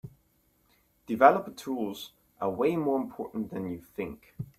Developer Tools are way more important than you think.